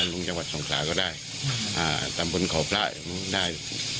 ลองทะเลอะไรอย่างนี้